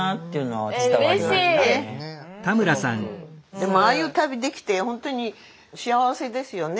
でもああいう旅できてほんとに幸せですよね。